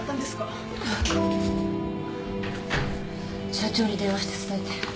社長に電話して伝えて。